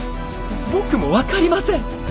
僕も分かりません！